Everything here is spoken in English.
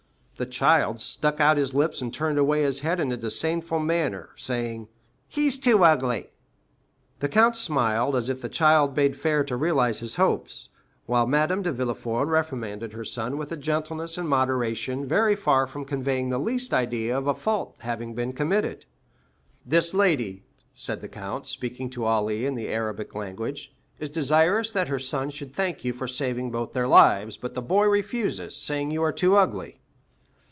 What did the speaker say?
The child stuck out his lips and turned away his head in a disdainful manner, saying, "He's too ugly." 20353m The count smiled as if the child bade fair to realize his hopes, while Madame de Villefort reprimanded her son with a gentleness and moderation very far from conveying the least idea of a fault having been committed. "This lady," said the Count, speaking to Ali in the Arabic language, "is desirous that her son should thank you for saving both their lives; but the boy refuses, saying you are too ugly."